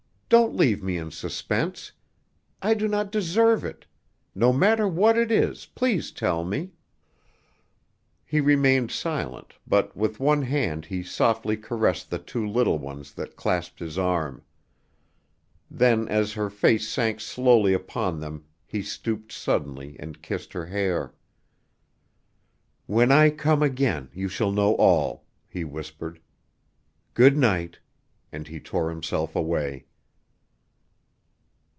Don't leave me in suspense! I do not deserve it. No matter what it is, please tell me!" He remained silent, but with one hand he softly caressed the two little ones that clasped his arm. Then as her face sank slowly upon them he stooped suddenly and kissed her hair. "When I come again you shall know all," he whispered; "good night!" and he tore himself away.